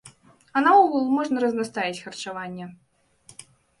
А наогул можна разнастаіць харчаванне.